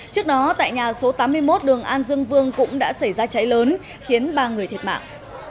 trước đó tại nhà số tám mươi một đường an dương vương cũng đã xảy ra cháy lớn khiến ba người thiệt mạng